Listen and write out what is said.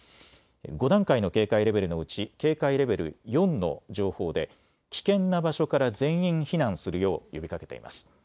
５段階の警戒レベルのうち警戒レベル４の情報で危険な場所から全員避難するよう呼びかけています。